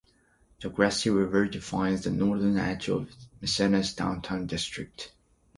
The Grasse River defines the northern edge of Massena's downtown district.